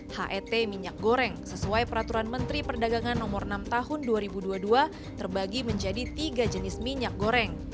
het minyak goreng sesuai peraturan menteri perdagangan no enam tahun dua ribu dua puluh dua terbagi menjadi tiga jenis minyak goreng